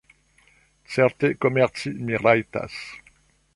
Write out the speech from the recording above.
Certe, komerci mi rajtas.